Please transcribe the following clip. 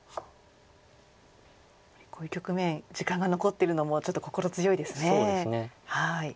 こういう局面時間が残ってるのもちょっと心強いですね。